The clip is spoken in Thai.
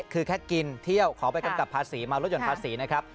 คือแค่กินเที่ยวขอไปกำกับภาษีมาลดหย่อนภาษีนะครับ